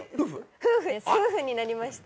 夫婦になりました。